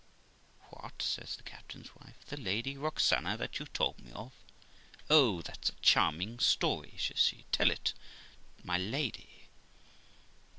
'What', says the captain's wife, 'the Lady Roxana that you told me of? Oh ! that's a charming story ', says she, ' tell it my lady.'